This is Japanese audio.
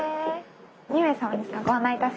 ２名様ですかご案内いたしますね。